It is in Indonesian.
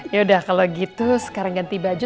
yaudah kalau gitu sekarang ganti baju